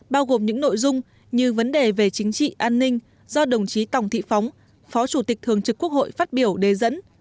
bao gồm những nội dung như vấn đề về chính trị an ninh do đồng chí tòng thị phóng phó chủ tịch thường trực quốc hội phát biểu đề dẫn